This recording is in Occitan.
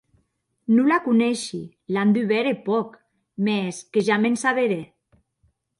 Non la coneishi; l’an dubèrt hè pòc; mès que ja m’en saberè.